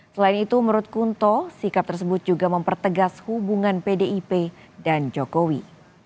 selain itu menurut kunto sikap tersebut juga mempertegas hubungan pdip dan jokowi